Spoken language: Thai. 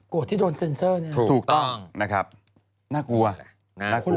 ที่โดนเซ็นเซอร์เนี่ยถูกต้องนะครับน่ากลัวน่ากลัว